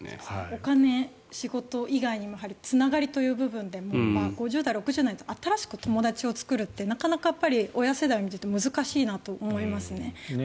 お金、仕事以外でもつながりという部分でも５０代、６０代の人って新しく友達を作るってなかなか親世代は難しいなと思いますね。